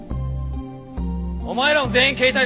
お前らも全員携帯出せ！